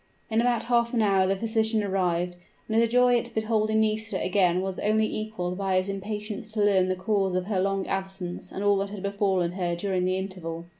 In about half an hour the physician arrived, and his joy at beholding Nisida again was only equaled by his impatience to learn the cause of her long absence and all that had befallen her during the interval.